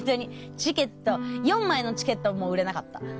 チケット４枚のチケットも売れなかった。